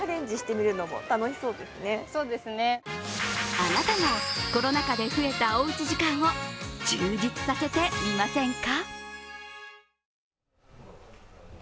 あなたもコロナ禍で増えたおうち時間を充実させてみませんか？